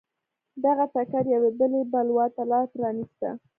دغه ټکر یوې بلې بلوا ته لار پرانېسته.